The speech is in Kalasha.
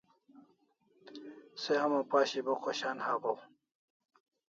Se homa pashi bo khoshan hawaw